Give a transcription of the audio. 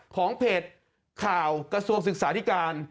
ของเพจข่าวกระทรวงศึกษาธิการ